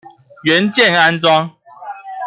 元件安裝